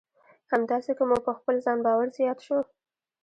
همداسې که مو په خپل ځان باور زیات شو.